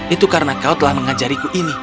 itu karena kau telah mengajariku ini